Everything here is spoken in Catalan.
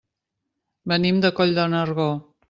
Venim de Coll de Nargó.